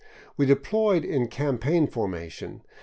We deployed in campaign formation.